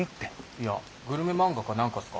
いやグルメ漫画かなんかっすか？